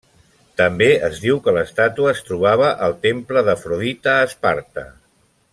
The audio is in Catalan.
També es diu que l'estàtua es trobava al temple d'Afrodita a Esparta.